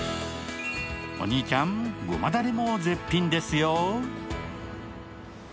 お兄ちゃん、ごまだれも絶品ですよ。